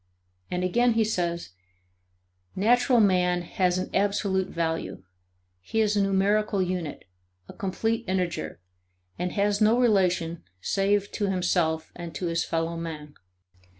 And again he says: "Natural man has an absolute value; he is a numerical unit, a complete integer and has no relation save to himself and to his fellow man.